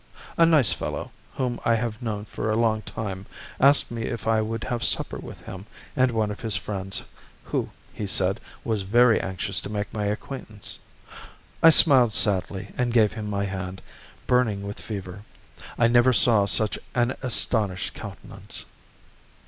A nice fellow, whom I have known for a long time, asked me if I would have supper with him and one of his friends, who, he said, was very anxious to make my acquaintance. I smiled sadly and gave him my hand, burning with fever. I never saw such an astonished countenance.